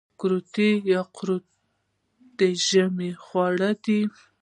کورت یا قروت د ژمي خواړه دي.